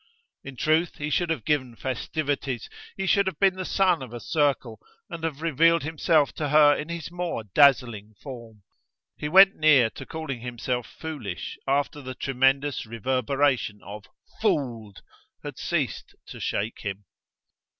In truth he should have given festivities, he should have been the sun of a circle, and have revealed himself to her in his more dazzling form. He went near to calling himself foolish after the tremendous reverberation of "Fooled!" had ceased to shake him.